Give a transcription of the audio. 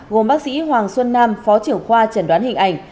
gồm bác sĩ hoàng xuân nam phó trưởng khoa chẩn đoán hình ảnh